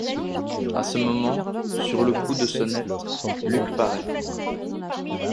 A ce moment, sur le coup de sonnette, Luc paraît.